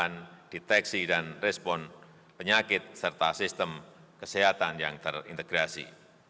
dan juga untuk penyakit yang terkait dengan deteksi dan respon penyakit serta sistem kesehatan yang terintegrasi